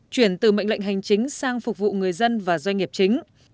chuyển từ mệnh lệnh hành chính sang phục vụ người dân và doanh nghiệp chính